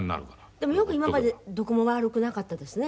でもよく今までどこも悪くなかったですね。